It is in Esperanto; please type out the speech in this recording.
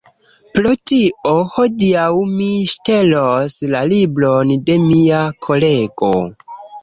Pro tio, hodiaŭ mi ŝtelos la libron de mia kolego